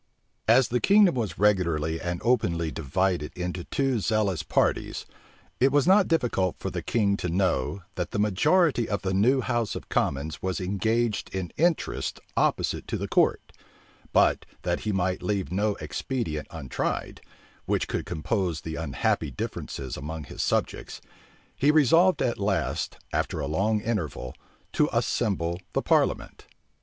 As the kingdom was regularly and openly divided into two zealous parties, it was not difficult for the king to know, that the majority of the new house of commons was engaged in interests opposite to the court: but that he might leave no expedient untried, which could compose the unhappy differences among his subjects, he resolved at last, after a long interval, to assemble the parliament.